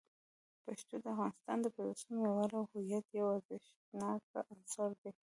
پښتو د افغانانو د پیوستون، یووالي، او هویت یو ارزښتناک عنصر دی.